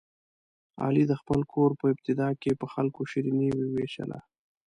علي د خپل کور په ابتدا کې په خلکو شیریني ووېشله.